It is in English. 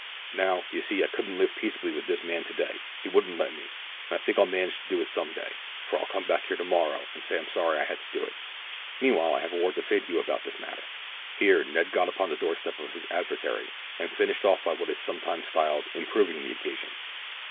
Now, you see, I couldn't live peaceably wi' this man to day. He wouldn't let me, but I think I'll manage to do it some day, for I'll come back here to morrow, and say I'm sorry I had to do it. Meanwhile I have a word to say to you about this matter." Here Ned got upon the door step of his adversary, and finished off by what is sometimes styled "improving the occasion."